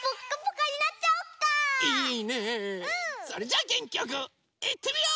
それじゃあげんきよくいってみよう！